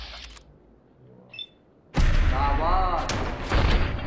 داوات